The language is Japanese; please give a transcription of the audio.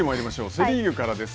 セ・リーグからです。